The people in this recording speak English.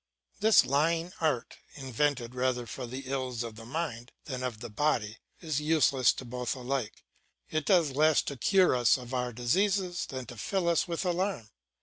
This lying art, invented rather for the ills of the mind than of the body, is useless to both alike; it does less to cure us of our diseases than to fill us with alarm.